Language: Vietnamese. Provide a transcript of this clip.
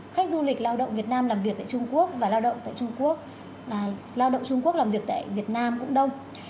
khách du lịch lao động việt nam làm việc tại trung quốc và lao động trung quốc làm việc tại việt nam cũng đông